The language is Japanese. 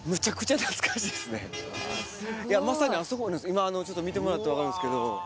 今ちょっと見てもらったら分かるんですけど。